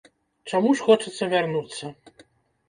Чаму ж хочацца вярнуцца?